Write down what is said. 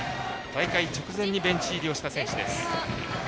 大会直前にベンチ入りした選手。